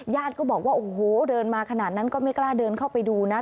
ก็บอกว่าโอ้โหเดินมาขนาดนั้นก็ไม่กล้าเดินเข้าไปดูนะ